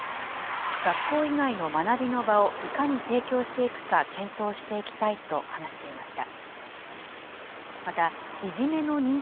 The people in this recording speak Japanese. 学校以外の学びの場をいかに提供していくか、検討していきたいと話していました。